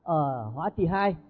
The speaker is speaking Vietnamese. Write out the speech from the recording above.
ở hóa trì hai